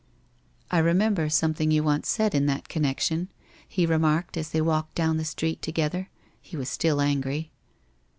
'I remember something you once said in that connec tion,' he remarked as they walked down the street together — he was still angry.